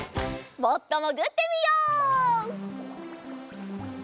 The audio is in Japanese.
もっともぐってみよう。